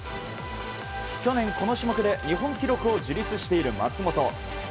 去年この種目で日本記録を樹立している松元。